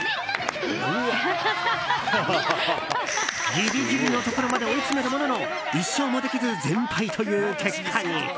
ギリギリのところまで追い詰めるものの１勝もできず全敗という結果に。